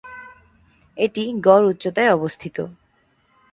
এটি গড় উচ্চতায় অবস্থিত।